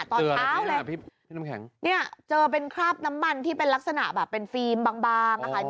ตอนเช้าเลยพี่น้ำแข็งเนี่ยเจอเป็นคราบน้ำมันที่เป็นลักษณะแบบเป็นฟิล์มบางอะค่ะ